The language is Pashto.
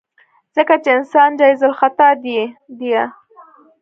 ځکه چې انسان جايزالخطا ديه.